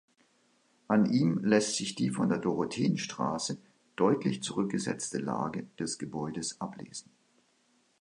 An ihm lässt sich die von der Dorotheenstraße deutlich zurückgesetzte Lage des Gebäudes ablesen.